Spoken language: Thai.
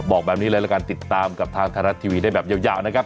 บอกแบบนี้เลยละกันติดตามกับทางไทยรัฐทีวีได้แบบยาวนะครับ